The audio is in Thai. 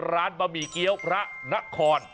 บะหมี่เกี้ยวพระนคร